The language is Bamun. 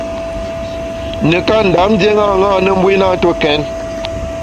Nekâ Ndam ndié ṅaṅâ na, mbu i na ntue kèn.